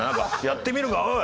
「やってみるかおい！」。